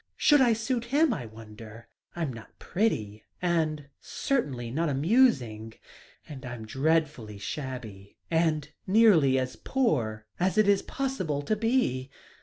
Should I suit him, I wonder? I'm not pretty, and certainly not amusing, and I'm dreadfully shabby, and nearly as poor as it is possible to be.